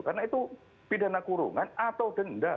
karena itu pidana kurungan atau denda